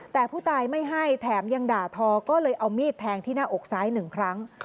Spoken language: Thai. แต่ผู้ตายไม่ให้แถมยังด่าทอก็เลยเอามีดแทงที่หน้าอกซ้ายหนึ่งครั้ง